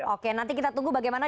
oke nanti kita tunggu bagaimana